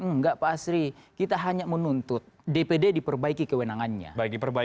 enggak pak asri kita hanya menuntut dpd diperbaiki kewenangannya